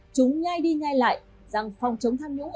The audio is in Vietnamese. chúng ngay đi ngay lại rằng phòng chống tham nhũng